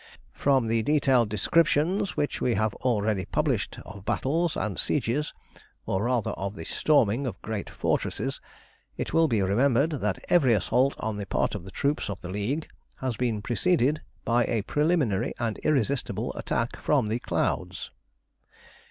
"From the detailed descriptions which we have already published of battles and sieges, or rather of the storming of great fortresses, it will be remembered that every assault on the part of the troops of the League has been preceded by a preliminary and irresistible attack from the clouds.